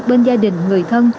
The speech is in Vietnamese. bên gia đình người thân